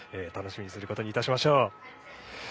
楽しみにすることにいたしましょう。